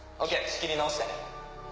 ＯＫ仕切り直して。